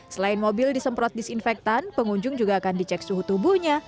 selain mobil disemprot disinfektan pengunjung juga akan dicek suhu tubuhnya